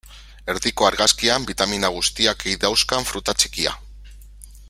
Erdiko argazkian, bitamina guztiak ei dauzkan fruta txikia.